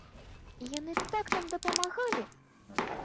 І яны так нам дапамагалі!